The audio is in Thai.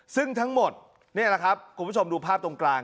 ซึ่งทั้งหมดนี่แหละครับคุณผู้ชมดูภาพตรงกลาง